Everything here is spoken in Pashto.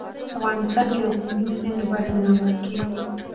په افغانستان کې د کندز سیند لپاره اقدامات کېږي.